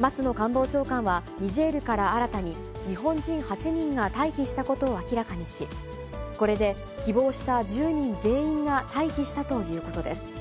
松野官房長官はニジェールから新たに日本人８人が退避したことを明らかにし、これで希望した１０人全員が退避したということです。